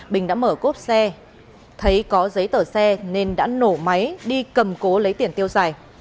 bình đã mở cốp xe thấy có giấy tờ xe nên đã nổ máy đi cầm cố lấy tiền tiêu xài